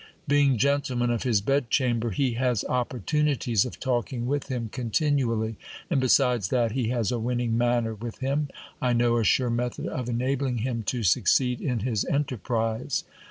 Being gentleman of his bedchamber, he has opportunities of talking with him continually ; and, besides that he has a winning manner with him, I know a sure method of enabling him to succeed in his entei prise.